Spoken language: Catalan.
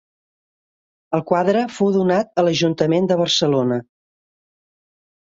El quadre fou donat a l'ajuntament de Barcelona.